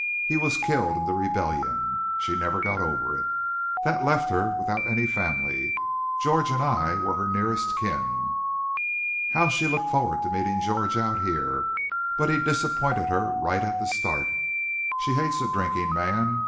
He was killed in the Rebellion. She never got over it. That left her without any family. George and I were her nearest kin. "How she looked forward to meeting George out here! But he disappointed her right at the start. She hates a drinking man.